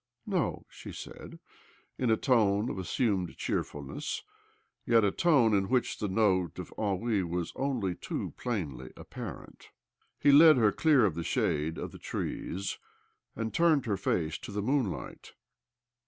" No," she said, in a tone of assumed cheerfulness — yet a tone in which the note of ennui was only too plainly apparent. He led her clear of the shade of the trees, and turned her face to the moonlight.